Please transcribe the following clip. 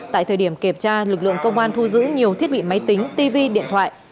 tại thời điểm kiểm tra lực lượng công an thu giữ nhiều thiết bị máy tính tv điện thoại